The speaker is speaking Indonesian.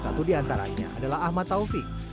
satu di antaranya adalah ahmad taufik